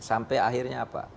sampai akhirnya apa